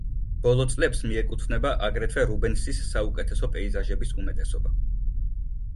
ბოლო წლებს მიეკუთვნება აგრეთვე რუბენსის საუკეთესო პეიზაჟების უმეტესობა.